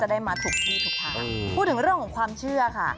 ได้มาถูกที่ถูกทางพูดถึงเรื่องของความเชื่อค่ะ